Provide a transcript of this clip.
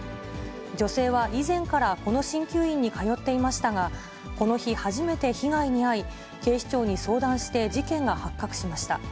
女性は以前からこのしんきゅう院に通っていましたが、この日初めて被害に遭い、警視庁に相談して、事件が発覚しました。